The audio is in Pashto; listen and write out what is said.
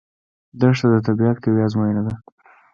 دښته د طبیعت قوي ازموینه ده.